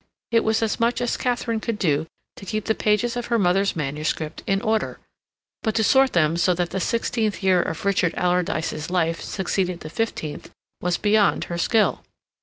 It was as much as Katharine could do to keep the pages of her mother's manuscript in order, but to sort them so that the sixteenth year of Richard Alardyce's life succeeded the fifteenth was beyond her skill.